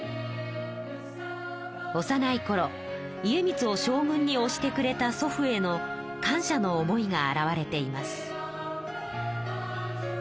おさないころ家光を将軍におしてくれた祖父への感謝の思いが表れています。